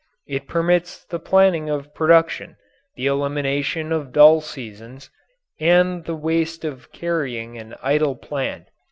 It permits the planning of production, the elimination of dull seasons, and the waste of carrying an idle plant.